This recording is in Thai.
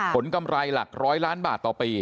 ผลกำไรหลัก๑๐๐ล้านบาทต่อปี